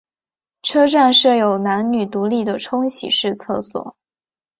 车站设有男女独立的冲洗式厕所。